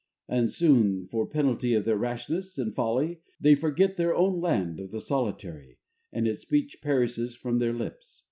And soon for penalty of their rashness and folly they forget their own land of the solitary, and its speech perishes from their lips.